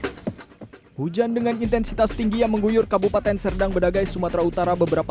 hai hujan dengan intensitas tinggi yang mengguyur kabupaten serdang bedagai sumatera utara beberapa